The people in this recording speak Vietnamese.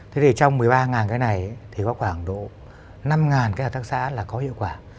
trong một mươi ba cái này có khoảng độ năm hợp tác xã là có hiệu quả